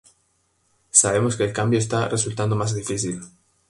Sabemos que el cambio está resultando más difícil.